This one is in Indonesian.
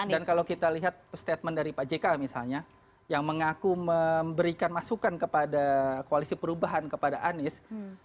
dan kalau kita lihat statement dari pak jk misalnya yang mengaku memberikan masukan kepada koalisi perubahan kepada anies